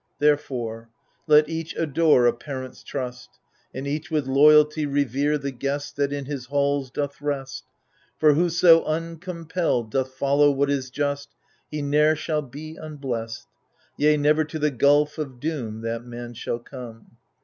Therefore let each adore a parent's trust. And each with loyalty revere the guest That in his halls doth rest For whoso uncompelled doth follow what is just, He ne'er shall be unblest \ Yea, never to the gulf of doom That man shall come.